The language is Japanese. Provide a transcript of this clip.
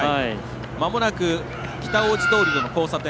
まもなく北大路通の交差点。